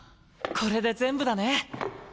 これで全部だね。